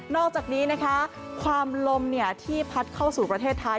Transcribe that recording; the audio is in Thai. อกจากนี้นะคะความลมที่พัดเข้าสู่ประเทศไทย